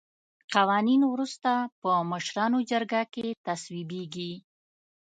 قوانین وروسته په مشرانو جرګه کې تصویبیږي.